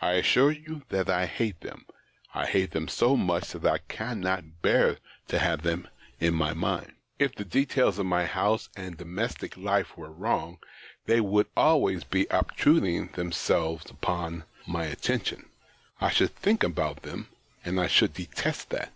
I assure you that I hate them ; I hate them so much that I cannot bear to have them in my mind. If the details of my house and domestic life were wrong, they would always be obtruding themselves upon my attention : I should think about them, and I should detest that.